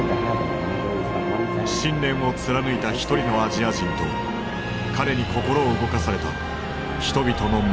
信念を貫いた一人のアジア人と彼に心を動かされた人々の物語である。